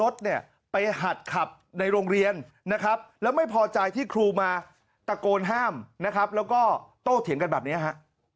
รถเนี่ยไปหัดขับในโรงเรียนนะครับแล้วไม่พอใจที่ครูมาตะโกนห้ามนะครับแล้วก็โตเถียงกันแบบนี้ฮะ